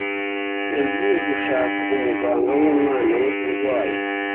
Yagiye gushaka umuganga w’umwana we urwaye.